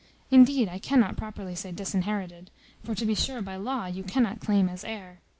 Indeed, I cannot properly say disinherited: for to be sure by law you cannot claim as heir.